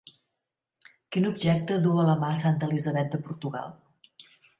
Quin objecte duu a la mà santa Elisabet de Portugal?